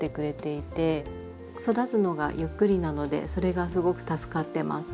育つのがゆっくりなのでそれがすごく助かってます。